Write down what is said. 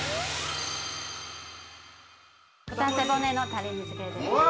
豚背骨のタレ煮付けです。